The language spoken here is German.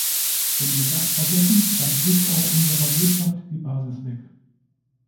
Wenn wir das vergessen, dann bricht auch unserer Wirtschaft die Basis weg.